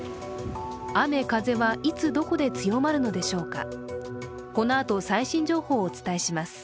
雨風はいつ、どこで強まるのでしょうか。